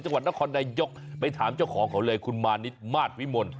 จังหวัดนครนายกไปถามเจ้าของเขาเลยคุณมานิดมาสวิมล